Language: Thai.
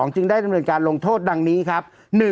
จึงได้ดำเนินการลงโทษดังนี้ครับ